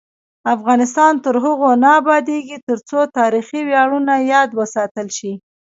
افغانستان تر هغو نه ابادیږي، ترڅو تاریخي ویاړونه یاد وساتل شي.